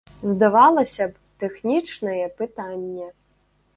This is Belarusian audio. Здавалася б, тэхнічнае пытанне.